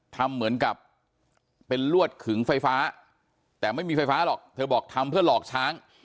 ทำเหมือนกับเป็นลวดขึงไฟฟ้าแต่ไม่มีไฟฟ้าหรอกเธอบอกทำเพื่อหลอกช้าง